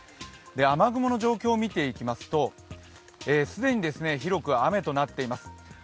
雨雲の状況を見てみますと既に広く雨となっています。